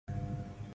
No audio